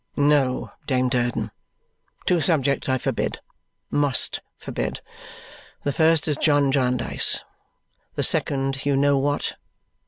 "No, Dame Durden! Two subjects I forbid must forbid. The first is John Jarndyce. The second, you know what.